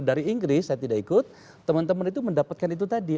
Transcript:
dari inggris saya tidak ikut teman teman itu mendapatkan itu tadi